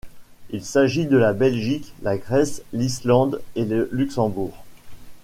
Il s'agit de la Belgique, la Grèce, l'Islande et le Luxembourg.